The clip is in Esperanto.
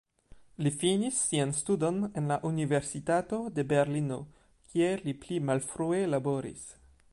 Li finis sian studon en la Universitato de Berlino, kie li pli malfrue laboris.